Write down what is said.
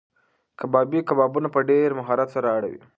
کبابي کبابونه په ډېر مهارت سره اړوي.